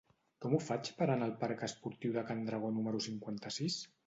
Com ho faig per anar al parc Esportiu de Can Dragó número cinquanta-sis?